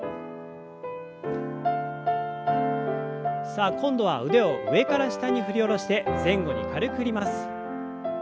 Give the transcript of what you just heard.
さあ今度は腕を上から下に振り下ろして前後に軽く振ります。